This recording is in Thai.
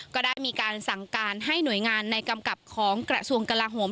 ก็ได้มีการสั่งการให้หน่วยงานในกำกับของกระทรวงกลาโหม